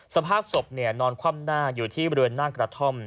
สภาพศพนอนคว่ำหน้าอยู่ที่บริเวณหน้ากระท่อม